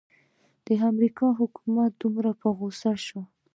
د امریکا حکومت دومره په غوسه شو.